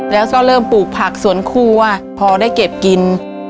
แล้วก็เริ่มปลูกผักสวนครัวพอได้เก็บกิน